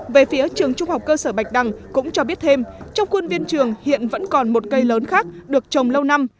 về phía trường trung học cơ sở bạch đăng cũng cho biết thêm trong quân viên trường hiện vẫn còn một cây lớn khác được trồng lâu năm